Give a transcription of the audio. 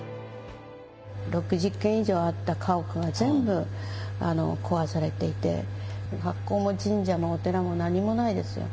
６０軒以上あった家屋が全部壊されていて、学校も神社もお寺も何もないですよ。